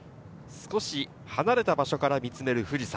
少し離れた場所から見つめる富士山。